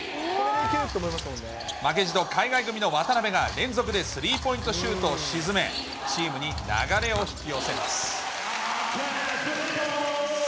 負けじと海外組の渡邊が連続でスリーポイントシュートを沈め、チームに流れを引き寄せます。